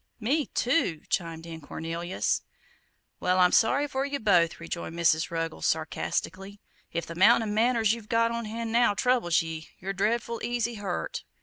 "Me too," chimed in Cornelius. "Well, I'm sorry for yer both," rejoined Mrs. Ruggles, sarcastically; "if the 'mount o' manners yer've got on hand now, troubles ye, you're dreadful easy hurt!